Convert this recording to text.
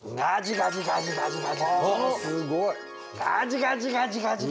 ガジガジガジガジガジ。